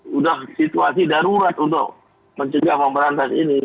sudah situasi darurat untuk mencegah memberantas ini